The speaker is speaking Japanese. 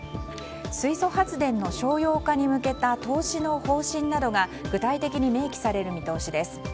水素発電の商用化に向けた投資の方針などが具体的に明記される見通しです。